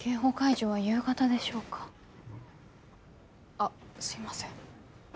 あっすいません。